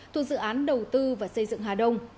thuộc dự án đầu tư và xây dựng hà đông